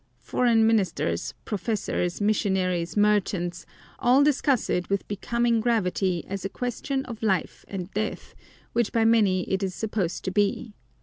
Foreign ministers, professors, missionaries, merchants—all discuss it with becoming gravity as a question of life and death, which by many it is supposed to be.